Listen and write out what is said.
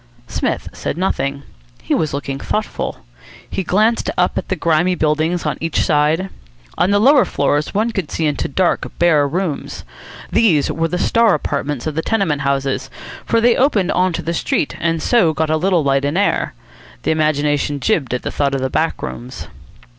Psmith said nothing. He was looking thoughtful. He glanced up at the grimy buildings on each side. On the lower floors one could see into dark, bare rooms. These were the star apartments of the tenement houses, for they opened on to the street, and so got a little light and air. The imagination jibbed at the thought of the back rooms.